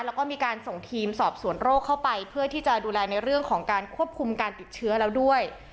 แล้วก็มีการส่งทีมสอบสวนโรคเข้าไปเพื่อที่จะดูแลในเรื่องของการควบคุมการติดเชื้อแล้วด้วย